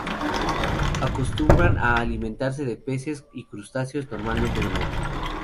Acostumbran a alimentarse de peces y crustáceos, normalmente de noche.